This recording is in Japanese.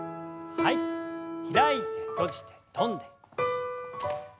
開いて閉じて跳んで。